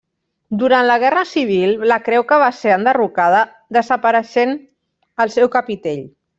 Durant la Guerra Civil, la creu que va ser enderrocada, desapareixent el seu capitell.